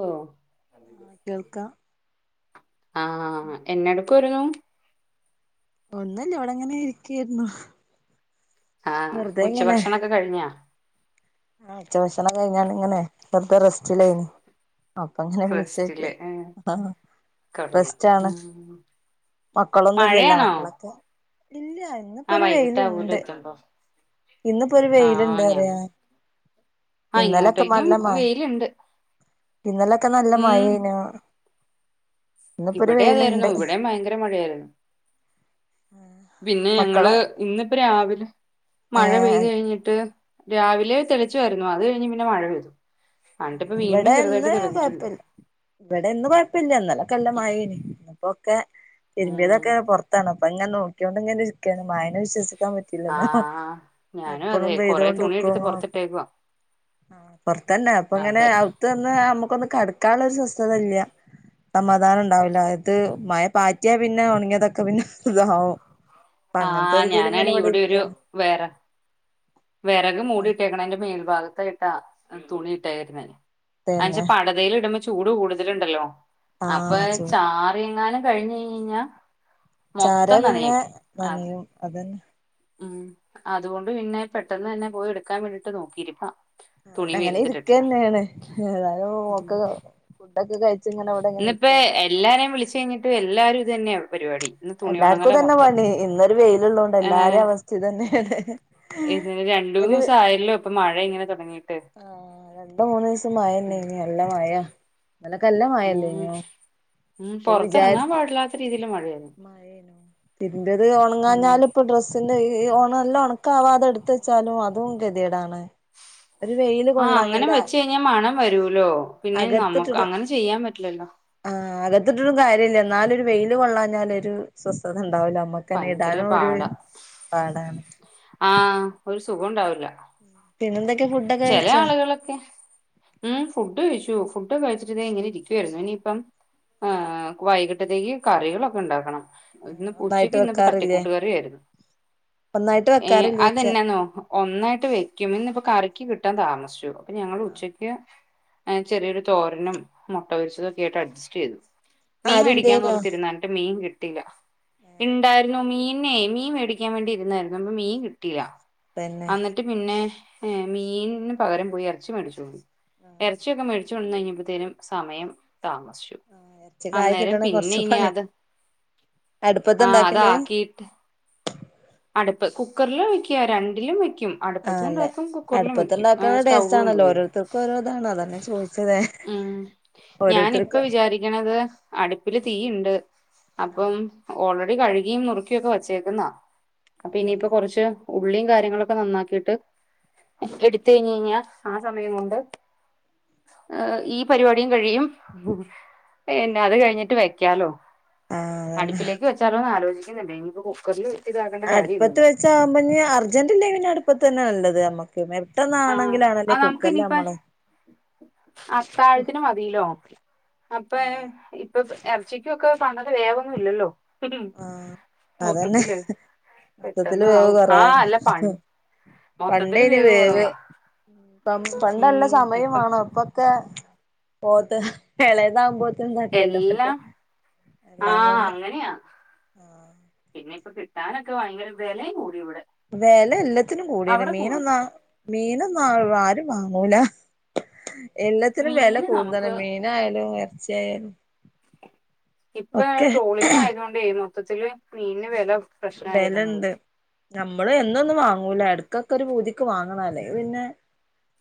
ഓ. ആഹ് കേൾക്കാം. ആഹ് എന്നടക്കോരു. ഒന്നുല്ല ഇവിടെങ്ങനെ ഇരിക്കായിരുന്നു. ആഹ് വെറുതെ ഇങ്ങനെ ഉച്ചഭക്ഷണൊക്കെ കഴിഞ്ഞാ? ആഹ് ഉച്ചഭക്ഷണം കഴിഞ്ഞാണ്ട് ഇങ്ങനെ വെറുതെ റസ്റ്റിലായിന്. അപ്പ അങ്ങനെ വിളിച്ചോക്കിയ റെസ്റ്റില് ഏഹ് ആഹ് കൊള്ളാം റെസ്റ്റാണ്. ഉം മക്കളൊന്നുംഇല്ലല്ലോ മഴയാണോ മക്കളൊക്കെ ഇല്ല. ഇന്നിപ്പോ ആ ഒരു വൈകിട്ടാവൂലോ വെയിൽണ്ട് എത്തുമ്പോ ഇന്നിപ്പോ ഒരു വെയിൽണ്ട് ഞാൻ പറയാ. ആഹ് ഇന്നലെക്കെ ഇങ്ങോട്ടേക്കും നല്ല മഴ വെയിൽണ്ട്. ഇന്നലൊക്കെ നല്ല മഴയിന്നു. ഇവിടെ അതായിരുന്നു ഇവിടെയും ഭയങ്കര മഴയായിരുന്നു. പിന്നെ ഞങ്ങള് മക്കള് ഇന്നിപ്പോ രാവിലെ മഴ ഏഹ് പെയ്ത് കഴിഞ്ഞിട്ട്. രാവിലെ തെളിച്ചുയായിരുന്നു അത് കഴിഞ്ഞ് പിന്നെ മഴ പെയ്തു. എന്നിട്ടിപ്പോ വീണ്ടും ഇവിടെ ചെറുതായിട്ട് ഇന്ന് തെളിഞ്ഞിട്ടുണ്ട് കുഴപ്പില്ല. ഇവിടെ ഇന്ന് കൊഴപ്പില്ല ഇന്നലെ ഒക്കെ നല്ല മഴയ്ന്ന് അപ്പോ ഉം തിരുമ്പിയതൊക്കെ പുറത്താണ് അപ്പൊ ഇങ്ങനെ നോക്കിയോണ്ട് ഇങ്ങനെയി രിക്കാണ് മഴനെ വിശ്വസിക്കാൻ പറ്റി ല്ലല്ലോ ആഹ് ഞാനും അതെ എപ്പളും കൊറേ തുണി പെയ്തൊണ്ട്ക്കും. എടുത്ത് പൊറത്തിട്ടേക്കുവാ ആഹ് പോറത്തന്നെ അപ്പൊ ഇങ്ങനെ അതെ അവ്ത്തൊന്ന് നമ്മുക്കൊന്ന് കടക്കാനുള്ള ഒരു സ്വസ്ഥതയില്ല. സമാധാനം ഉണ്ടാവില്ല ഇത് മഴ പാറ്റിയൽ പിന്നെ ഒണങ്ങിയതൊക്കെ പിന്നെ ഉതാവും. [inaudible] ആഹ് ഞാനാണ് ഇവിടെ ഒരു വേറെ വെറക് മൂടിട്ടേക്ക്ണ്ന്റെ മേൽഭാഗത്തായിട്ടാ തുണിയിട്ടെക്ക്ണേത്. അയ്ച്ച പിന്നെ പടതൽ ഇടുമ്പോ ചൂട് കൂടുതലുണ്ടല്ലോ ആ അപ്പൊ ചൂ ചാറിങ്ങാട്. കഴിഞ്ഞഞ്ഞ്ഞ്ഞാ. ചാരെ പിന്നെ അത് നനയും അതന്നെ. ഉം അതുകൊണ്ട് പിന്നെ പെട്ടെന്ന് തന്നെ പോയി എടുക്കാൻ വേണ്ടിട്ട് നോക്കിയിരിപ്പാ. ആഹ് തുണി ഇവിടെ അങ്ങനെ വെയിലത്തിട്ടിട്ട് ഇരിക്കന്നെയാണ് ഏതാലും ഉം. നോക്ക. ഫുഡ്ഒക്കെ കഴിച്ച് ഇവിടെ ഇങ്ങനെ ഇരിക്കാ. എല്ലാരെയും വിളിച്ച് കഴിഞ്ഞിട്ട് എല്ലാരും ഇത് തന്നെയെ പരിപാടി. ഇന്ന് തുണി ഒണങ്ങലാ എല്ലാർക്കുംഇതന്നെ മൊത്തം പണി ഇന്നൊരു വെയിൽ ഉള്ളൊണ്ട് എല്ലാരെയും അവസ്ഥ ഇതന്നെയാണ്. ഇത് രണ്ട് മൂന്ന് ഒരു ദിവസം ആയല്ലോ ഇപ്പൊ മഴ ഇങ്ങനെ തുടങ്ങീട്ട്. ആഹ് രണ്ട് മൂന്ന് ദിവസം മഴന്നെയിന്ന് നല്ല മഴയെ. ഇന്നലെക്ക ഉം. നല്ലമഴഅല്ലയ്നോ അപ്പൊ വിചാരി രീതിൽ മഴയെ. മഴയെന്നു ഉം തിരുപിയത്ഉണങ്ങാഞ്ഞാലും ഇപ്പൊ ഡ്രസ്സിന്റെ ഈ ഈനല്ല ഉണക്കാവാതെടുത്ത് വച്ചാലും അതും ഗതികേടാണ്. ഒരു വെയില്. ആഹ് അങ്ങനെ കൊള്ളാഞ്ഞാല് വെച്ച് കഴിഞ്ഞാൽ മണം വരൂലോ പിന്നെ നമ്മുക്ക് അകത്തിട്ടിട്ട് അങ്ങനെ ചെയ്യാൻ പറ്റില്ലല്ലോ? ആഹ് അകത്തിട്ടിട്ടും കാര്യല്ല ഇന്നാലൊരു വെയില് കൊള്ളാഞ്ഞാൽ ഒരു സ്വസ്ഥത ഉണ്ടാവില്ല നമ്മക്ക്. തന്നെ ഭയങ്കര ഇടാന് ഒരു പാടാ പാടാണ്. ആഹ് ഒരു സുഖം ഉണ്ടാവില്ല. പിന്നെന്തൊക്കെ ഫുഡ്. ചെല ആളുകൾ. ഹെ ഉം ഫുഡ് കഴിച്ചു ഫുഡ്‌ കഴിച്ചിട്ട് ഇങ്ങനെ ഇരിക്കുവായിരുന്നു ഇനിയിപ്പം. ആഹ് വൈകിട്ടത്തേക്ക് കറികളൊക്കെ ഉണ്ടാക്കണം. ഇന്ന്പ്പ ഉച്ചക്ക് ഒന്നായിട്ട് ഇന്നിപ്പോ വെക്കാറില്ലേ തട്ടിക്കൂട്ടുകറി യായിരുന്നു ഒന്നായിട്ട് ഏഹ് വെക്കാറില്ലേയ്ച്ച അതെന്നാന്നോ. ഒന്നായിട്ട് വെക്കും ഇന്ന്പ്പോ കറിക്ക് കിട്ടാൻ താമസിച്ചു അപ്പൊ ഞങ്ങൾ ഉച്ചക്ക്. ചെറിയൊരുതോരനുംമുട്ടപൊരിച്ചതൊക്കെ ആയിട്ട് അഡ്ജസ്റ്റ് ചെയ്തു. മീ ആരുല്ലേനോ മേടിക്കാന്നോർത്തിരുന്ന് ന്നട്ട് മീൻ കിട്ടിയില്ല ഏഹ് ഇണ്ടായിരുന്നു മീനേ മീൻ മേടി ക്കാൻ വേണ്ടിയിരുന്നായിരുന്നു ന്ന് മീ കിട്ടിയില്ല പിന്നെ എന്നിട്ട് പിന്നെ മീന് പകരം പോയി എറച്ചി മേടിച്ചൊണ്ടന്നു എറച്ചിയൊക്കെ ആഹ് മേടി കൊടന്നഴിഞ്ഞപ്പോത്തേനും സമയം താമസിച്ചു ആഹ് എറച്ചിക്കായി അന്നേരം കിട്ടണെ പിന്നെ കൊറച്ച് ഇനി പണിയാ അത് ആഹ അടുപ്പത്ത്ണ്ടാക്കല് അതാക്കി അടുപ്പ് കുക്കറിലാ വയ്ക്കാ രണ്ടിലും വയ്ക്കും ആഹ് അല്ല അടുപ്പത്തണ്ടാക്കും കുക്കറിലും വെക്കും അടുപ്പത്ത്ണ്ടാക്കണ ടേസ്റ്റ് സ്റ്റൗവും ആണല്ലോ ഉപയോഗിക്കും ഓരോരുത്തർക്കും ഓരോ ഇതാണ് അതന്നെ ചോദിച്ചത് ഉം ഞാന്പ്പ ഓരോരുത്തർക്കും വിചാരിക്ക ണത് അടുപ്പില് തീണ്ട് അപ്പം ആഹ് ഓൾറെഡി കഴുകിയ നുറു ക്കിയൊക്കെ വച്ചേക്കുന്നാ അപ്പൊ ഇനിയിപ്പോ തന്നെ കൊറച്ച് ഉള്ളിയും കാര്യങ്ങളൊക്കെ നന്നാക്കിട്ട് എടുത്ത് കഴിഞ്ഞഞ്ഞാ ആ സമയം കൊണ്ട് ഏ ഈ പരിപാടിയും കഴിയും പിന്നെ അത് കഴിഞ്ഞിട്ട് വെക്കാലോ ആഹ് അതന്നെ അടുപ്പിലേക്ക് വെച്ചാലോന്ന് ആലോചിക്കുന്നുണ്ട് ഇനിപ്പോ കുക്കറിൽ ഇട്ടിതാ അടുപ്പത്ത് വെച്ചാകുമ്പോ ഞ്ഞി അർജന്റ്ണ്ടെ പിന്നെ അടുപ്പത്തെന്നെ നല്ലത് നമ്മക്ക് ആ പെട്ടെന്നാണെങ്കിലാണല്ലേ അത് നമുക്ക് കുക്കറില് ഇനിയിപ്പ നമ്മള് അത്താഴത്തിന് മതിലോ. അപ്പേ ആഹ് ഇപ്പൊ എർച്ചിക്കൊക്കെ പണ്ടത്തെ വേവൊന്നും ഇല്ലല്ലോ. ആഹ് അതന്നെ മൊത്തത്തില് മൊത്തത്തില് പെട്ടെന്ന് വേവ് ആവും ആ കൊറവന്നെ അല്ല പ ഹും മൊത്തത്തില് പണ്ടേനി വേവ് കുറവാ പം പണ്ട് നല്ല ഉം സമയം ഇപ്പം വേണം പ്പൊ ക്കെ പോത്ത് എളേതാവുമ്പോ ക്ക്ന്നാക്കെല്ലോ മറ്റേ എല്ലാംകൊണ്ടും വെലയാ പിന്നെ ഇപ്പൊ കിട്ടാനൊക്കെ ഭയങ്കര വെല്യേം കൂടി ഇവിടെ. വെല എല്ലാത്തിനും കൂടീണ് അവിടെ മീന് കൂടി ന്നാ. മീനൊന്നും അഹ് ആരും വാങ്ങൂല. എല്ലത്തിനും വെല മീന് കൂട്തലാ നമുക്ക് മീ മീനായാലും എർച്ചിയാലും ഇപ്പേ ട്രോളിങ് ആയതോണ്ടെയ് മൊത്തത്തില്. മീനിന് ഉം വില ഉം പ്രശ്നായിരുന്നത് വെലണ്ട് നമ്മള് എന്നെന്നും വാങ്ങൂല. ഉം എട് കൊക്കെ ഒരു പൂതിക്ക് വാങ്ങ്ണാല്ലേ അല്ലേ പിന്നെ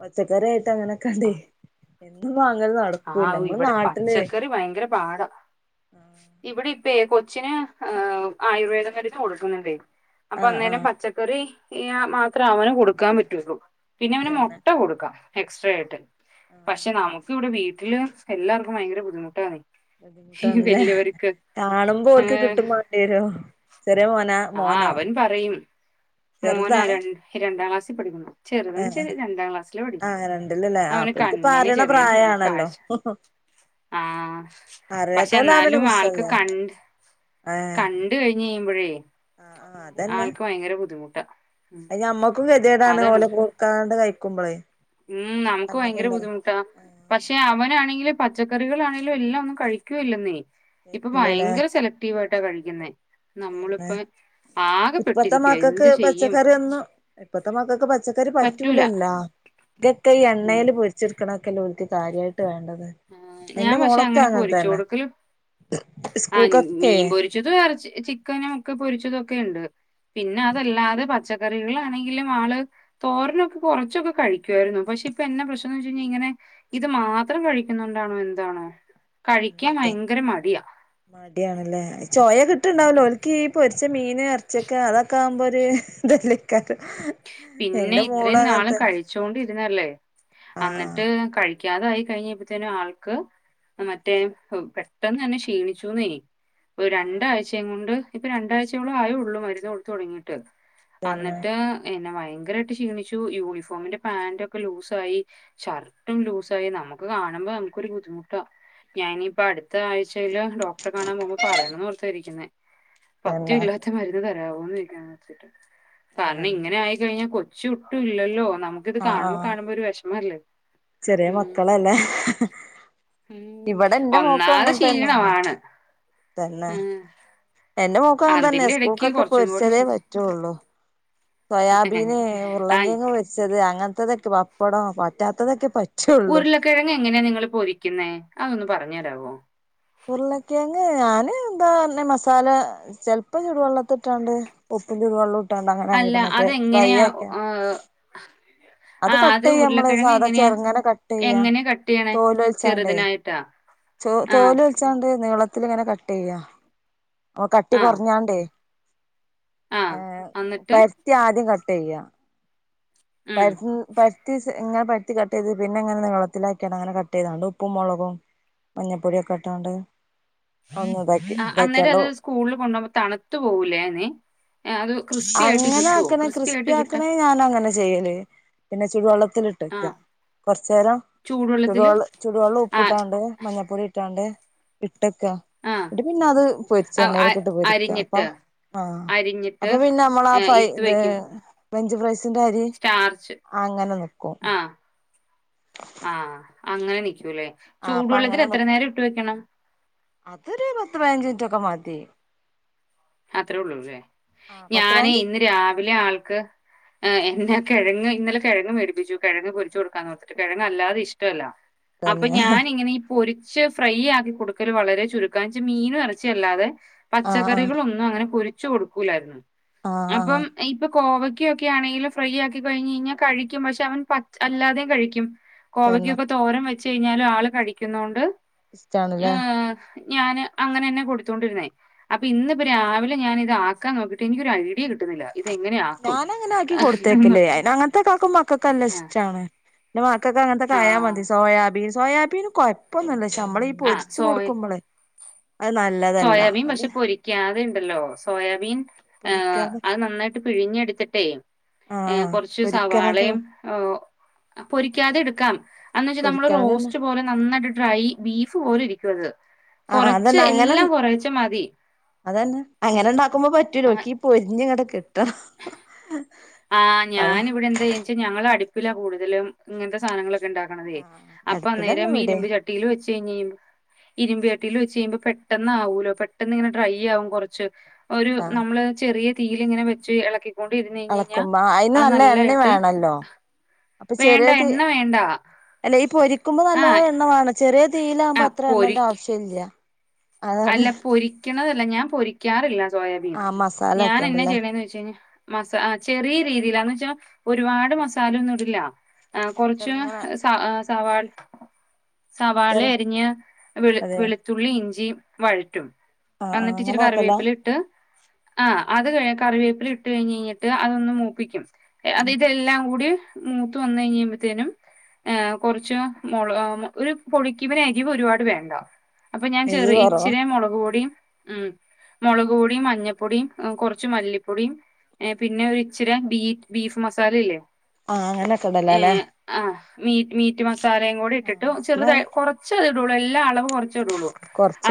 പച്ചക്കറിയായിട്ട് അങ്ങനൊക്കാണ്ട് എന്നും വാങ്ങല് നടക്കൂ ആവു ഇവിടെ പച്ചക്കറി ഭയങ്കര പാടാ ഇവിടെ ഇപ്പേയ് കൊച്ചിന് ആയുർവേദ മരുന്ന് കൊടുക്കുന്നുണ്ടേ. അപ്പൊ ആഹ് അന്നേരം ആഹ് പച്ചക്കറി ഇയേ മാത്രെ അവന് കൊടുക്കാൻ പറ്റുള്ളു. പിന്നെ അവന് തന്നെ മൊട്ട കൊടുക്ക എക്സ്ട്രാ ആയിട്ട് ആഹ് പക്ഷെ നമുക്ക് ഇവിടെ വീ ക്കിയ എല്ലാവർക്കും ഭയങ്കര ബുദ്ധിമുട്ടാണേയ് ബുദ്ധിമുട്ടാന്ന്ല്ലെ കാണുമ്പോ ഓൽക്ക് ഏഹ് കിട്ടും മാണ്ടിരും. ചെറിയ മോനാ ആ മോനോ. അവൻ പറയും മോനാ ചെറുതാ രൺ രണ്ടാം ക്ലാസ്സിൽ പഠിക്കുന്നു. ചെറുതും ഏഹ് ചെ രണ്ടാം ക്ലാസ്സില് പടിക്കണ് ആഹ് രണ്ടിലല്ലേ ആഹ് അവന് അപ്പോൽക്കിപ്പ കണ്ണിന് അറിയണ ചെറിയ പ്രായാണല്ലോ കാഴ്ച ആഹ് പക്ഷെ അറിയാത്തോലാവുമ്പോ എന്നാലും പ്രശ്നല്ല ആൾക്ക് കണ്ട് ഏഹ് കണ്ട് കഴിഞ്ഞയ്യുമ്പഴേ ആഹ് ആഹ് ആൾക്ക് ഭയങ്കര ബുദ്ധിമുട്ടാ. ഉം അയ് ഞമ്മക്കും കെതിയേടാണ് അതാണ് ഓലെ കൊട്ക്കാണ്ടെ കഴിക്കുമ്പളേയ്. ഉം നമുക്ക് ഭയങ്കര ബുദ്ധിമുട്ടാ. ആഹ് പക്ഷെ അവനാണെങ്കില് പച്ചക്കറികളാണെങ്കിലും എല്ലാം ഒന്നും കഴിക്കൂല്ലെന്നേ ഇപ്പ കഴിക്കൂലല്ലേ ഭയങ്കര സെലക് ട്ടീ വട്ടാ കഴിക്കുന്നേ തന്നെ നമ്മള്പ്പ ഇപ്പത്തെ ആകെപ്പെട്ടിരിക്കുവ മക്കൾക്ക് എന്ത് ചെയ്യും. പച്ചക്കറി ഒന്നും ഇപ്പത്തെ മക്കൾക്ക് പച്ചക്കറി പറ്റൂല പറ്റൂലല്ലാ. ഇതൊക്കെ ഈ എണ്ണയിൽ ഉം പൊരിച്ച്ട്ക്ക്ണൊക്കെല്ലേ ഒല്ക്ക് കാര്യയിട്ട് വേണ്ടത്. ഞാൻ എന്റെ പക്ഷെ മോളൊക്കെ അങ്ങനെ അങ്ങനെത്ത പൊരിച്ചു തന്നെ, കൊടുക്കല് ആഹ് സ്കൂക്കൊക്കെ മീൻ ചിക്കനും ഓക്കേ പൊരിച്ചതൊക്കെ ഉണ്ട് പിന്നെ അതല്ലാതെ പച്ച കറികളാണെങ്കിലും ആള് തോരനൊക്കെ കുറച്ചൊക്കെ കഴിക്കുവാരുന്നു പക്ഷെ ഇപ്പൊ എന്നാ പ്രശ്നം എന്ന് വെച്ച് കഴിഞ്ഞാൽ ഇങ്ങനെ ഇത് മാത്രം കഴി ക്കാണ്ടാണോ എന്താണോ കഴിക്കാൻ ഭയങ്കര മടിയാ മടിയാണല്ലേ, ചോയ കിട്ടുണ്ടാവല്ലോ, ഓനിക് ഈ പൊരിച്ച മീൻ ഇറച്ചി ഒക്കെ അതൊക്കെ ആവുമ്പോ ഒരുതല്ലേയ്കാരം എന്റെ മോള് അങ്ങനതന്നെ വച്ചൊണ്ടിരുന്നല്ലേ അന്നിട്ട് കഴിക്കാതായി കഴിഞ്ഞപ്പോഴുത്തേന് ആൾക്ക് മറ്റേ പെട്ടെന്ന് തന്നെ ക്ഷീണിച്ചുന്നേ. ഒരു രണ്ടാഴ്ചയും കൊണ്ട്, ഇപ്പൊ രണ്ടാഴ്ചയോളം ആയള്ളൂ മരുന്ന് കൊടുത്ത് തുടങ്ങിയിട്ട് എ തന്നെ ന്നിട്ട് പിന്നെ ഭയങ്കരമയിട്ട് ക്ഷീണിച്ചു, യൂണിഫോമിന്റെ പാന്റ് ഒക്കെ ലൂസായി ഷർട്ടും ലൂസായി നമുക്ക് കാണുമ്പോ നമുക്കൊരു ബുദ്ധിമുട്ടാ ഞാനിപ്പോ അടു അത്ത ആഴ്ചൽ ഡോക്ടറെ കാണാൻ പോകുമ്പോൾ പറയണം ഓർത്ത ഇരിക്കുന്നേ പദ്യം തന്നെ ഇല്ലാത്ത മരുന്ന് തരാമോന്ന് [inaudible] ഇങ്ങനെ ആയി കഴിഞ്ഞാൽ കൊച്ചു ഒട്ടും ഇല്ലല്ലോ, നമുക്കിത് ആഹ് കാണുമ്പോ, ആഹ് കാണുമ്പോ ഒരു വെ ഷമല്ലേ ചെറിയ മക്കളല്ലേ ഇവിടെ എന്റെ മോക്കും ഒന്നാത് അങ്ങനെ തന്നെയാണ് ക്ഷീണമാണ് തന്നെ, ആഹ്. എന്റെ മോൾക്ക് അങ്ങനെ തന്നെ, അതിന്റെ ഇടയ്ക്ക് സ്കൂൾക്കൊക്കെ കുറച്ചും കൂടി പൊരിച്ചതേ ശ് പറ്റുള്ളൂ സോയാബീന് ആ ഉള്ളങ്കിയങ് വെച്ചത് അങ്ങനത്തതൊക്കെ പപ്പടം പറ്റാത്തതൊക്കെ പ ഉരുളക്കിഴങ്ങ് എങ്ങനെയാ നിങ്ങള് പൊരിക്കുന്നെ? അതൊന്നന്ന് പറഞ്ഞ് തരാമോ ഉരുളകിഴങ്ങ് ഞാന് ന്താ ന്ന മസാല ചിലപ്പ ചൂടുവെള്ളത്തി ഇട്ടാണ്ട് ഉപ്പും ചുടുവെള്ളം ഇട്ടാണ്ട് അങ്ങനെ ആയിട്ട മറ്റേ ഫ്രൈ ആക്ക അങ്ങനെയാ ആഹ് അത് ചെയ്യ നമ്മള് ഉരുളക്കിഴങ്ങ് സാധാ എങ്ങനെയാ, ചെറുങ്ങനെ കട്ട് ചെയ്യ എങ്ങനെയാ കട്ട് ചെയ്യണേ ചെറുതിനായിട്ട? തോ തോല് വെച്ചാണ്ട് നീളത്തില് ഇങ്ങനെ കട്ട് ചെയ്യാ ഓ കട്ടി ആ കുറഞ്ഞാണ്ടേ ആ എഹ് എന്നിട്ട് പരു ആദ്യം കട്ട് ചെയ്യ, ഉം [unintelligible] പരുത്തിങ്ങനെ പരുത്തി കട്ട് ചെയ്ത് പിന്നെ ഇ ങ്ങനെ നീളത്തിലാക്കിട്ട് അങ്ങെ കട്ട ചെയ്തണ്ട് ഉപ്പും മുളകും മഞ്ഞപ്പൊടിയൊക്കെ ഇട്ടാണ്ട് ഒന്ന് ഇതാക്കി ആ അന്നേരം ഇതാക്കാണ്ട് അത് സ്കൂളിൽ കൊണ്ടു പോകുമ്പോ തണുത്തു പോകൂലേ ന്നെ അങ്ങനെ ആക്കണേ, ക്രിസ്പി ആയിട്ട് കിട്ടാൻ ആക്കണേ ഞാന അങ്ങന ചെയ്യല് പിന്നെ ചുടുവെള്ളത്തിലിട്ട് ആ വെക്ക കുറച്ച നേരം ചൂടുവെള്ളത്തില് ചൂടുവെള്ളം, ചൂടുവെള്ളം ഉപ്പ് ആ ഇട്ടാണ്ട് മഞ്ഞപ്പൊടി ഇട്ടാണ്ട് ഇട്ടക്ക ആ ഏന്നിട്ട് പിന്നെ അത് പൊരിച്ച് ആ അ എണ്ണയിലൊക്കെ ഇട്ട് പൊരിക്ക അപ്പ അരിഞ്ഞിട്ട് ആഹ് അരിഞ്ഞിട്ട് അപ്പൊ പിന്നെ നമ്മള ആ ഏഹ് ഫൈ ഇത് വെക്കും വെഞ്ച് ഫ്രൈസിന്റെ അരി സ്റ്റാർച്ച് അങ്ങനെ നിക്കും ആഹ് ആഹ്, അങ്ങനെ നിക്കൂലേ, ആ അപ്പൊ ചൂടുവേള്ളത്തിൽ അങ്ങനെ നി എത്ര നേരം ഇട്ട് വെക്കണം? അതൊരു പത്ത് പതിനഞ്ച് മിനിറ്റൊക്കെ മതി അത്രേ ഉള്ളല്ലേ ആഹ് പത്ത് ഞാന് പതിനഞ്ച് ഇന്ന് രാവിലെ ആൾക്ക് ഏഹ് എന്നാ കിഴങ്ങ് ഇന്നലെ കിഴങ്ങ് മേടിപ്പിച്ചു കിഴങ്ങ് പൊരിച്ച് കൊടുക്കാന്ന് ഓർത്തിട്ട് കിഴങ്ങ് അല്ലാതെ ഇഷ്ടല്ല അപ്പൊ തന്നെ ഞാൻ ഇങ്ങനെ പൊരിച്ച് ഫ്രൈ ആക്കി കൊടുക്കല് വളരെ ചുരുക്ക ന്നുവെച്ച മീനും ഇറച്ചി അല്ലാതെ ആഹ് ആഹ് പച്ചക്കറികളൊന്നു അങ്ങനെ പൊരിച്ചു കൊടുക്കൂലായിരുന്നു, ആഹ് ആഹ് ഞാൻപ്പം ഇപ്പോ കോവയ്ക്കൊക്കെ യാണേ ലും ഫ്രൈ ആക്കി കഴിഞ്ഞ് കഴിഞ്ഞാ കഴിക്കും പക്ഷെ അവൻ പച്ചഅല്ലാതെയും കഴിക്കും തന്നെ കോവയ്ക്കൊക്കേ തോരം വെച്ച് കഴിഞ്ഞാല് ആള് കഴിക്കുന്നോണ്ട് ഇഷ്ടാണല്ലേ ഏഹ് ഞാന് അങ്ങനെ തന്നെ കൊടുത്തുകൊണ്ടിരുന്നേ അപ്പൊ ഇന്ന് ഇപ്പ രാവിലെ ഞാൻ ഇതക്കാൻ നോക്കിട്ട് എനിക്ക് ഒരു ഐഡിയ കിട്ടുന്നില്ല ഇതെങ്ങനെയാ. ഞാന് അങ്ങനെ ആക്കി കൊടുത്തേക്കല്ലേ, അയിന് അങ്ങനത്തെക്കാക്കുമ്പോൾ മക്കക്ക്കെ നല്ല ഇഷ്ടം ആണ് [unintelligible] അങ്ങനത്തെക്കായാ മതി സോയാബീൻ, സോയാബീൻ കുഴപ്പംന്നുല്ല, ശേ നമ്മളീ ആഹ് പൊരിച്ച് സോയ കൊടുക്കുമ്പോള് അത് നല്ലതല്ല സോയാബീൻ അത് പക്ഷെ പൊരിക്കാതെണ്ടല്ലോ, സോയാബീൻ ഏഹ് പൊരിക്കാതെ അത് നന്നായിട്ട് പിഴിഞ്ഞെടുത്തിട്ടേ ഏഹ് ആഹ് കൊർച്ച് പൊരിക്കാതെ സവാളേം ഓ പൊരിക്കാതെ എടുക്കാം അന്നൊന്ന് വെച്ചാ നമ്മള് പൊരിക്കാതെന്നെ റോസ്റ്റ് പോലെ നന്നായിട്ട് ഡ്രൈ ബീഫ് പോലഇരിക്കും അത് ആഹ് കൊറച്ച് അതെന്നെ എല്ലാം കൊറേച്ചെ മതി അതന്നെ അങ്ങനെ ഉണ്ടാക്കുമ്പോ പറ്റൂലേ ആഹ് ഇൻകിപൊരിഞ്ഞങ്ങട് കിട്ടണം ആഹ് അതാ ഞാനിവിടെന്തായ്യാച്ചാ ഞങ്ങൾ അടുപ്പില കൂടുതലും ഇങ്ങനത്തെ സാധനങ്ങളൊക്കെ ഇണ്ടാ ക്ണതേ ആഹ് അപ്പ അടുപ്പിലന്നെ അന്നേരം ഇരുമ്പ് ഇവിടേം ചട്ടീൽ വെച്ച് കഴിഞ്ഞ് കഴിയുമ്പോ ഇരുമ്പ് ചട്ടീൽ വെച്ച് കഴിയുമ്പോ പെട്ടന്നാവൂലോ. പെട്ടെന്ന് ഇങ്ങനെ ഡ്രൈ ആകും കൊറച്ച് ഒരു ആഹ് നമ്മള് ചെറിയ തീയില് ഇങ്ങനെ വെച്ച് ഇളക്കിക്കൊണ്ടിരുന്ന ഴിഞ്ഞ കുമ്മായിന്ന് നല്ലേഎണ്ണിം വേണല്ലോ വേണ്ട എണ്ണ വേണ്ട അല്ലെങ്കി പൊരിക്കുമ്പോ നല്ലോല ആഹ് എണ്ണ വേണം ചെറിയ തീയിലാകുമ്പോ ആഹ് അത്ര എണ്ണന്റെ പൊരി ആവശ്യം ഇല്യ അല്ല പൊരിക്കണതല്ല ഞാൻ പൊരിക്കാറില്ല സോയാബീൻ ആ മസാല ഞാനെന്നാ ഒക്കെണ്ടല്ലേ ചെയ്യണെന്ന് വെച്ച് കഴിഞ്ഞാ മസ ആഹ് ചെറിയ രീതിയില് ന്ന് ച്ചാ ഒരുപാട് മസാല ഒന്നും ഇടില്ല ആ കൊറച്ച് ചെറുങ്ങനെ സ സവാള ചെറു സവാളേം അരിഞ്ഞ് വെള് അതെ വെളുത്തുള്ളീം ഇഞ്ചിം വഴറ്റും ആ ആ അന്നിട്ട്ച്ചിരി അങ്ങനെ ആക്കല കറിവേപ്പിലെ ഇട്ട് ആ അത് കറിവേപ്പില ഇട്ട് കഴിഞ്ഞ് ഴിഞ്ഞിട്ട് അതൊന്ന് മൂപ്പിക്കും അ ത് ഇതെല്ലാം കൂടി മൂത്ത് വന്നകഴിഞ്ഞപത്തേനും ഏ കുറച്ച് മൊള ഒരു പൊടിക്ക് ഇവന് എരിവ് ഒരുപാട് വേണ്ട അപ്പൊ ഞാൻ ചെറു എരിവ് കുറവാ ഇച്ചിരി മൊളക്പൊടിയും ഉം മൊളക് പൊടീം മഞ്ഞപ്പൊടീം കൊർച്ച് മല്ലിപ്പൊടിം ഏ പിന്നെ ഒരു ഇച്ചിരി ബീറ്റ് ബീഫ് മസാലയില്ലേ ആഹ് അങ്ങനൊക്കെ ഏ ഇടല്ലൊലേ ആ മീറ്റ് മീറ്റ് മസാലയും കൂടി ആ ഇട്ടിട്ട് മനസ്സിലായി ചെറുതായി കൊറച്ചത് ഇടുള്ളൂ എല്ലാം അളവ് കൊറച്ച് ഇടുള്ളൂ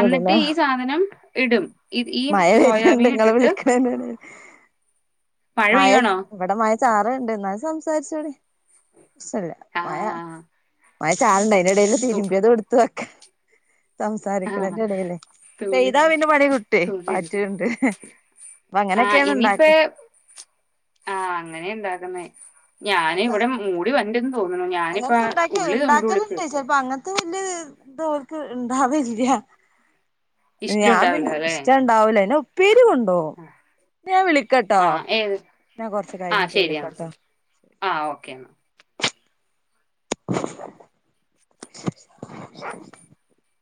എന്നിട്ട് ഈ സാധനം ഇടും ഇ ഈയ്യും മഴ വര്ണ്ട് സോയാബീൻ ഇങ്ങള് ഇട്ടിട്ട് വിളിക്കണേന്റെടേല് മഴ ഇവിടെ മഴ ചാറുനു ണ്ട് എന്നാലും സംസാരിച്ചോളീം വിഷയല്ല ആ മഴ മഴ ചാർണ്ടായിനി അയിന്റെടേൽ തു തിരുമ്പിയതും എടുത്ത് വക്ക ആ സംസാരിക്കണേന്റെ എടെലെ തുണി പെയ്താ പിന്നെ പണി കിട്ടുവേ, പാറ്റ്ണ്ട് അപ്പൊ ആഹ് അങ്ങനെയൊക്കെയാണ് ഇണ്ടാക്ക ഇനിപേ ആഹ് അങ്ങനെയാ ഇണ്ടാക്ക്ന്നേ മഴ ഞാന് ഇവിടെ മൂടി വണ്ട തോന്നുന്നു ഞാനിപ്പ ഉള്ളി [unintelligible] ഇപ്പ അങ്ങനത്തെ വല്യ ഇത് ഓൽക്ക് ഇണ്ടാവേല്ല്യ. ഇഷ്ടം ഞാൻ ഉണ്ടാവില്ല പിന്നെ അല്ലെ ഇഷ്ടം ഉണ്ടാവൂല. പിന്ന ഉപ്പേരി കൊണ്ടോവും. ഞാൻ വിളിക്കാട്ടോ. ഞാൻ കൊറച്ച് ആഹ് കഴിഞ്ഞിട്ട് ശരിയാണ് ആഹ് ഓക്കെ എന്നാ [inaudible]